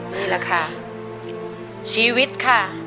นี่แหละค่ะชีวิตค่ะ